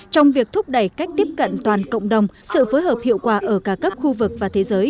trong việc thúc đẩy cách tiếp cận toàn cộng đồng sự phối hợp hiệu quả ở cả cấp khu vực và thế giới